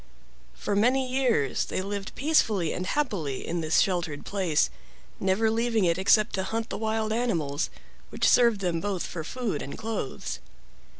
For many years they lived peacefully and happily in this sheltered place, never leaving it except to hunt the wild animals, which served them both for food and clothes.